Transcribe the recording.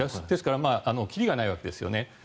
ですから切りがないわけですよね。